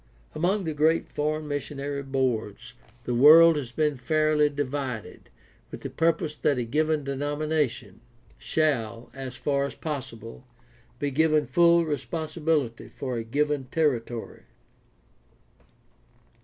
Among the great foreign missionary boards the world has been fairly divided, with the purpose that a given denomination shall, as far as possible, be given full responsibility for a given terri PRACTICAL THEOLOGY 637 tory.